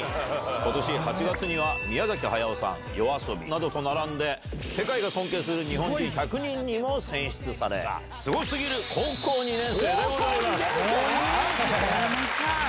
ことし８月には、宮崎駿さん、ＹＯＡＳＯＢＩなどと並んで、世界が尊敬する１００人にも選出され、すごすぎる高校２年生でご高校２年生？